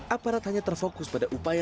aparat hanya terfokus pada upaya